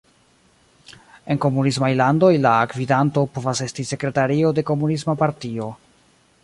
En komunismaj landoj, la gvidanto povas esti "sekretario de komunisma partio".